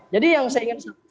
jadi yang saya ingin sampaikan